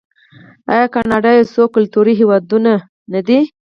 آیا کاناډا یو څو کلتوری هیواد نه دی؟